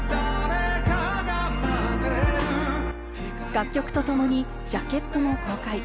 楽曲とともにジャケットも公開。